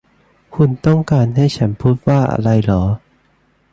คุณต้องการให้ฉันพูดว่าอะไรหรอ